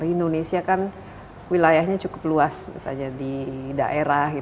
indonesia kan wilayahnya cukup luas sein saja di daerah